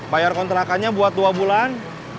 bayar kontrakannya buat dua bulan